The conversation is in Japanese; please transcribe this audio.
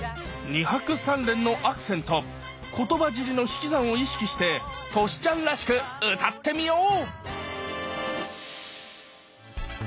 ２拍３連のアクセント言葉尻の引き算を意識してトシちゃんらしく歌ってみよう！